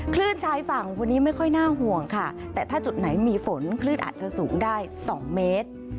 คลื่นชายฝั่งวันนี้ไม่ค่อยน่าห่วงค่ะแต่ถ้าจุดไหนมีฝนคลื่นอาจจะสูงได้๒เมตร